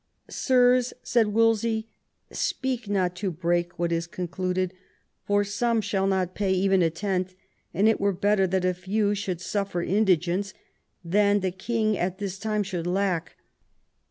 " Sirs," said Wolsey, "speak not to break what is concluded, for some shall not pay even a tenth ; and it were better that a few should suffer indigence than the king at this time should lack.